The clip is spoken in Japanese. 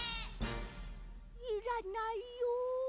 いらないよ。